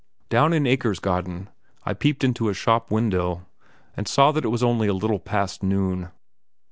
Down in Akersgaden I peeped into a shop window, and saw that it was only a little past noon.